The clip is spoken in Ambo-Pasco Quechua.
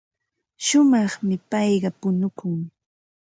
Shumaqmi payqa punukun.